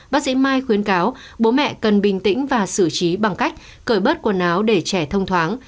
bác sĩ mai khuyến cáo bố mẹ cần bình tĩnh và xử trí bằng cách cởi bớt quần áo để trẻ thông thoáng